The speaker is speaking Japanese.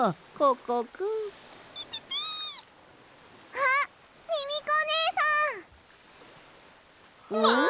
あっミミコねえさん！わ！